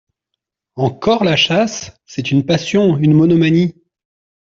Encore la chasse ! c’est une passion, une monomanie !…